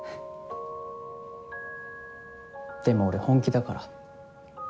でも俺本気だから。